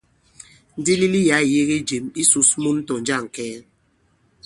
Ndilili yǎ ì yege jěm. Ǐ sǔs mun tɔ̀ jȃŋ kɛɛ.